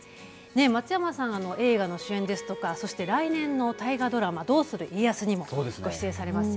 松山さん、映画の主演ですとか、そして、来年の大河ドラマ、どうする家康にもご出演されます。